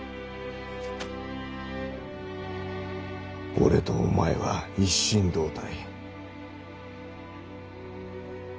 俺とお前は一心同体。